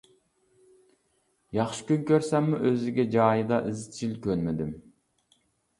ياخشى كۈن كۆرسەممۇ ئۆزگە جايدا ئىزچىل كۆنمىدىم.